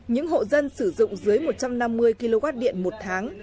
những hộ dân sử dụng dưới một trăm năm mươi kwh một tháng